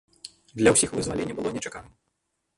Для ўсіх вызваленне было нечаканым.